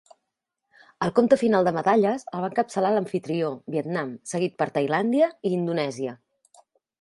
El compte final de medalles el va encapçalar l'amfitrió, Vietnam, seguit de Tailàndia i Indonèsia.